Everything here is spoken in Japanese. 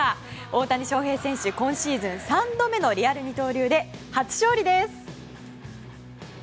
大谷翔平選手、今シーズン３度目のリアル二刀流で初勝利です。